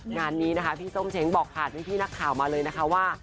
งานนี้นะคะพี่ส้มเช้งบอกผ่านพี่นักข่าวมาเลยนะคะว่า